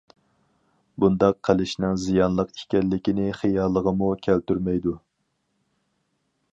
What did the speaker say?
بۇنداق قىلىشنىڭ زىيانلىق ئىكەنلىكىنى خىيالىغىمۇ كەلتۈرمەيدۇ.